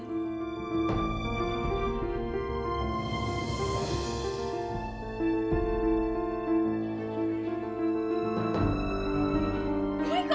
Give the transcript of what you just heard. ya tapi ini